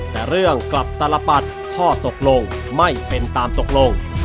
แต่เรื่องกลับตลปัดข้อตกลงไม่เป็นตามตกลง